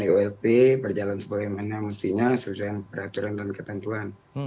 di olp berjalan sebagaimana mestinya sejauh peraturan dan ketentuan